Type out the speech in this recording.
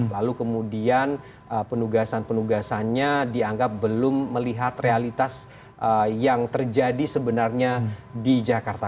lalu kemudian penugasan penugasannya dianggap belum melihat realitas yang terjadi sebenarnya di jakarta